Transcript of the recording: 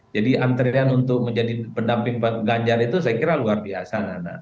jadi antrean untuk menjadi pendamping ganjar itu saya kira luar biasa